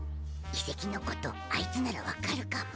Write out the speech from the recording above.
いせきのことあいつならわかるかも。